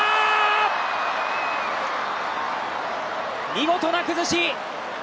見事な崩し！